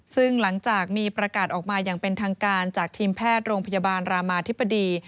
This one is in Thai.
ซึ่งหลังจากมีประกาศออกมาอย่างเป็นทางการจากทีมแพทย์โรงพยาบาลรามาธิบดี